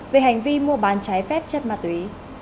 về hành vi mua bán trái phép chất ma túy